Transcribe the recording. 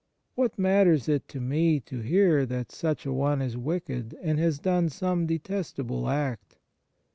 What matters it to me to hear that such a one is wicked, and has done some detestable act